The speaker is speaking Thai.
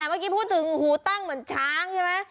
เมื่อกี้พูดถึงหูตั้งเหมือนช้างใช่ไหม